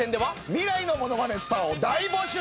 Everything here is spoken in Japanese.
未来のものまねスターを大募集！